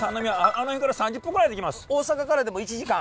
あの辺から３０分ぐらいで行けます。